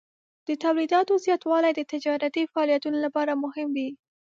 د تولیداتو زیاتوالی د تجارتي فعالیتونو لپاره مهم دی.